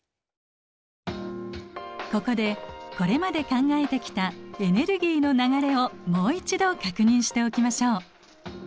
ここでこれまで考えてきたエネルギーの流れをもう一度確認しておきましょう。